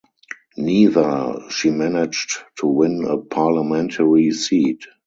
Neither she managed to win a parliamentary seat.